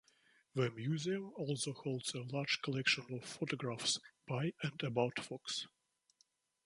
The museum also holds a large collection of photographs by and about Fox.